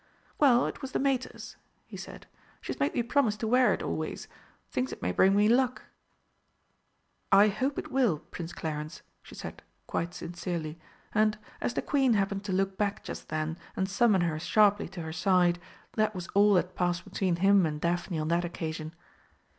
"Well, it was the Mater's," he said. "She's made me promise to wear it always. Thinks it may bring me luck." "I hope it will, Prince Clarence," she said, quite sincerely; and, as the Queen happened to look back just then and summon her sharply to her side, that was all that passed between him and Daphne on that occasion.